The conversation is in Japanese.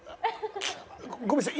ごめんなさい